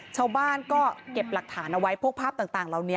ชาวบ้านก็เก็บหลักฐานเอาไว้พวกภาพต่างเหล่านี้